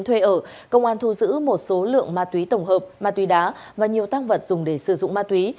thuê ở công an thu giữ một số lượng ma túy tổng hợp ma túy đá và nhiều tăng vật dùng để sử dụng ma túy